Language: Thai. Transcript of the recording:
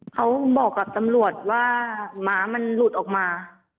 เขาบอกกับตำรวจว่าหมามันหลุดออกมา